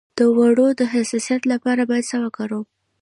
د دوړو د حساسیت لپاره باید څه وکاروم؟